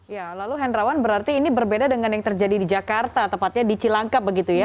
ya lalu hendrawan berarti ini berbeda dengan yang terjadi di jakarta tepatnya di cilangkap begitu ya